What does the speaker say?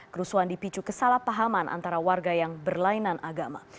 kerusuhan dipicu kesalahpahaman antara warga yang berlainan agama